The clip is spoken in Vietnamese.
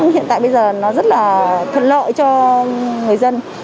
hiện tại bây giờ nó rất là thuận lợi cho người dân